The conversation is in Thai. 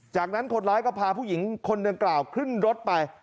จากนั้นคนร้ายก็พาผู้หญิงคนดังกล่าวขึ้นรถไป